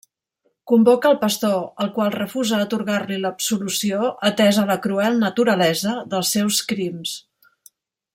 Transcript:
Convoca el pastor, el qual refusa atorgar-li l'absolució atesa la cruel naturalesa dels seus crims.